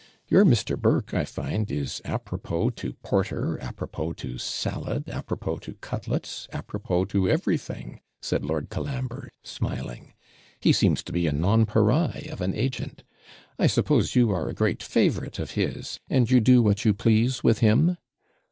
'Your Mr. Burke, I find, is APROPOS to porter, APROPOS to salad, APROPOS to cutlets, APROPOS to everything,' said Lord Colambre, smiling; 'he seems to be a NON PAREIL of an agent. I suppose you are a great favourite of his, and you do what you please with him?'